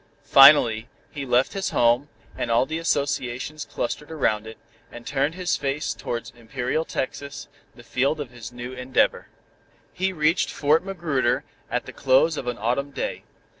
Finally, he left his home, and all the associations clustered around it, and turned his face towards imperial Texas, the field of his new endeavor. He reached Fort Magruder at the close of an Autumn day.